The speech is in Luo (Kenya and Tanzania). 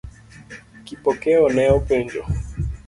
Kipokeo ne openjo.